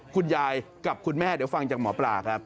คุณยายกับคุณแม่เดี๋ยวฟังจากหมอปลาครับ